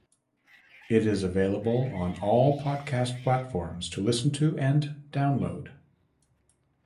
It is available on all podcast platforms to listen to and download.